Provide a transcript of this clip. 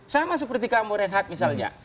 sama seperti kamu renhat misalnya